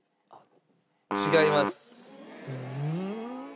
違います。